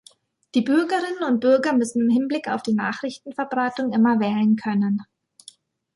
Die Bürgerinnen und Bürger müssen im Hinblick auf die Nachrichtenverbreitung immer wählen können.